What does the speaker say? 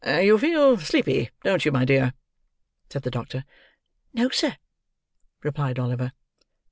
"You feel sleepy, don't you, my dear?" said the doctor. "No, sir," replied Oliver.